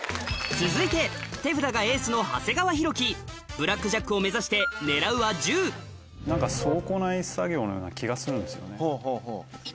続いて手札がエースの長谷川博己ブラックジャックを目指して狙うは１０何か倉庫内作業のような気がするんですよね。